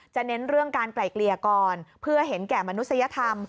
เน้นเรื่องการไกล่เกลี่ยก่อนเพื่อเห็นแก่มนุษยธรรม